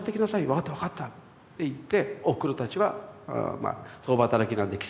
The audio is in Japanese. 「分かった分かった」って言っておふくろたちはまあ共働きなんで喫茶店へ行っちゃう。